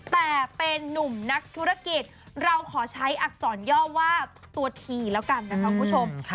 แต่เป็นนุ่มนักธุรกิจเราขอใช้อักษรย่อว่าตัวทีแล้วกันนะคะคุณผู้ชม